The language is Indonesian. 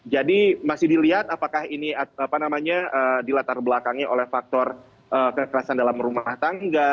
jadi masih dilihat apakah ini dilatar belakangnya oleh faktor kekerasan dalam rumah tangga